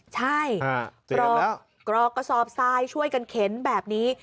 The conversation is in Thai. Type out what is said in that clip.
ใช่กรอกกระสอบทรายช่วยกันเข็นแบบนี้